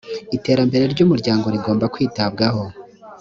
iterambere ry ‘ umuryango rigomba kwitabwaho.